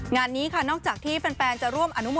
งานนี้ค่ะนอกจากที่แฟนจะร่วมอนุโม